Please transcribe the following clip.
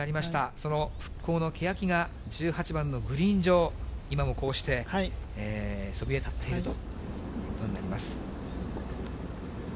その復興のケヤキが１８番のグリーン上、今もこうして、そびえ立っているということになります。